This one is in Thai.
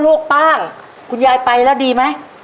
โอ้ลูกป้างคุณยายไปแล้วดีมั้ย